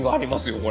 これ。